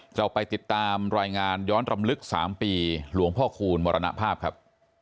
เราไปติดตามรายงานย้อนรำลึก๓ปีหลวงพ่อคูณมรณภาพครับ